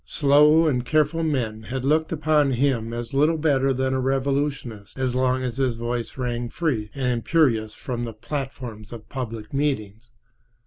Slow and careful men had looked upon him as little better than a revolutionist so long as his voice rang free and imperious from the platforms of public meetings.